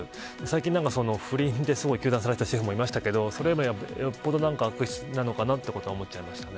最近、不倫で糾弾されたシェフもいましたけどそれよりもよっぽど悪質なのかなと思っちゃいましたね。